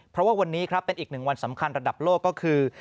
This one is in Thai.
เพราะว่าวันนี้เป็นอีก๑วันสำคัญระดับโลกก็คือ